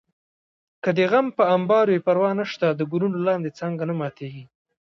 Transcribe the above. که دې غم په امبار وي پروا نشته د ګلونو لاندې څانګه نه ماتېږي